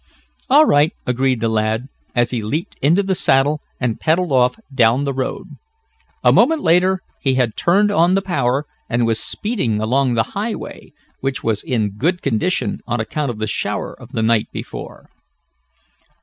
"All right," agreed the lad, as he leaped into the saddle and pedaled off down the road. A moment later he had turned on the power, and was speeding along the highway, which was in good condition on account of the shower of the night before.